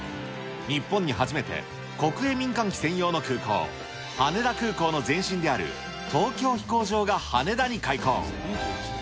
日本に初めて国営民間機専用の空港、羽田空港の前身である東京飛行場が羽田に開港。